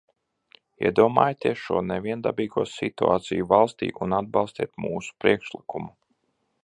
Iedomājieties šo neviendabīgo situāciju valstī un atbalstiet mūsu priekšlikumu!